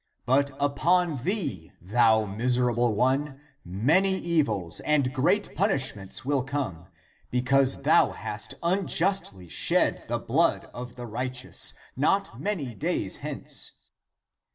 But upon thee, thou miserable one,^ many evils and great punishments ° will come, be cause thou hast unjustly shed the blood of the right eous, not many days hence."